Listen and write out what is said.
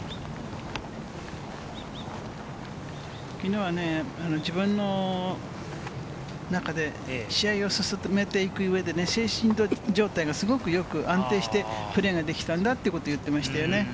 きのうは自分の中で試合を進めていく上で、精神状態がすごくよく安定してプレーができたんだってことを言っていましたね。